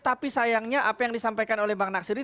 tapi sayangnya apa yang disampaikan oleh bang nasir ini